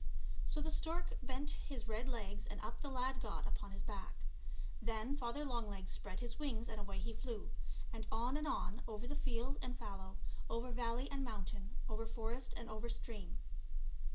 So the stork bent his red legs and up the lad got upon his back. Then Father Long legs spread his wings and away he flew, and on and on, over field and fallow, over valley and mountain, over forest and over stream.